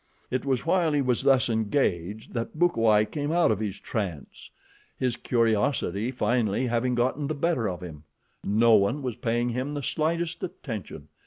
It was while he was thus engaged that Bukawai came out of his trance, his curiosity finally having gotten the better of him. No one was paying him the slightest attention.